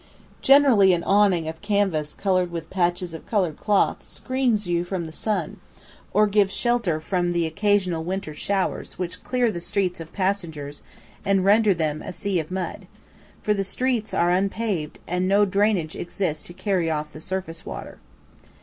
Generally an awning of canvas covered with patches of coloured cloth screens you from the sun, or gives shelter from the occasional winter showers which clear the streets of passengers and render them a sea of mud, for the streets are unpaved and no drainage exists to carry off the surface water.